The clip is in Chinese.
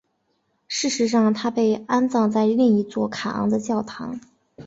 事实上她被安葬在另一座卡昂的教堂。